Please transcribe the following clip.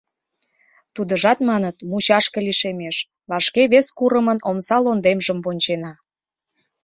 Тудыжат, маныт, мучашке лишемеш, вашке вес курымын омса лондемжым вончена.